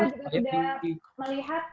kita juga sudah melihat